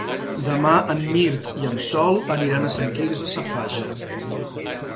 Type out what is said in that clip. Demà en Mirt i en Sol aniran a Sant Quirze Safaja.